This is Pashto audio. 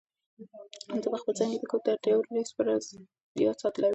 ده په خپل ذهن کې د کور د اړتیاوو لست په یاد ساتلی و.